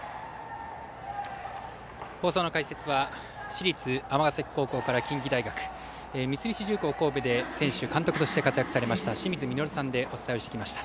放送の解説は市立尼崎高校から近畿大学三菱重工神戸で選手監督として活躍された清水稔さんがお伝えしました。